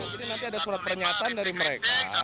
jadi nanti ada surat pernyataan dari mereka